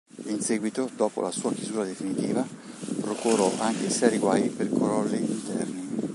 In seguito, dopo la sua chiusura definitiva, procurò anche seri guai per crolli interni.